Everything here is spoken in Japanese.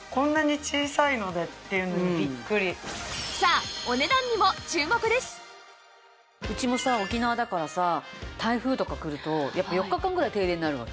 さあうちもさ沖縄だからさ台風とか来るとやっぱり４日間ぐらい停電になるわけ。